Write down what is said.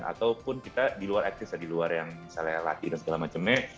ataupun kita di luar etnis ya di luar yang misalnya latih dan segala macemnya